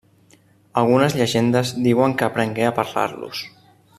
Algunes llegendes diuen que aprengué a parlar-los.